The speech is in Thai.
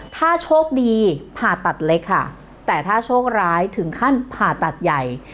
ถ้าโชคดีผ่าตัดเล็กค่ะแต่ถ้าโชคร้ายถึงขั้นผ่าตัดใหญ่